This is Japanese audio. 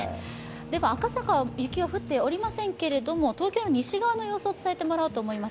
赤坂、雪は降っておりませんけれども東京の西側の様子を伝えてもらおうと思います。